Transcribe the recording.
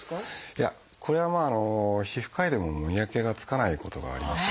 いやこれはまあ皮膚科医でも見分けがつかないことがあります。